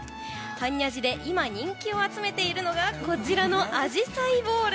般若寺で今、人気を集めているのがこのアジサイボール。